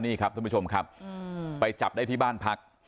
นี่ครับท่านผู้ชมครับไปจับได้ที่บ้านพัก